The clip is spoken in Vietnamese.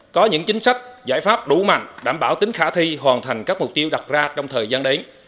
có những chính sách giải pháp đủ mạnh đảm bảo tính khả thi hoàn thành các mục tiêu đặt ra trong thời gian đến